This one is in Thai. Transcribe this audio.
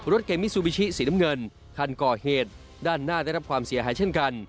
เกมิซูบิชิสีน้ำเงินคันก่อเหตุด้านหน้าได้รับความเสียหายเช่นกัน